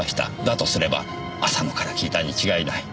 だとすれば浅野から聞いたに違いない。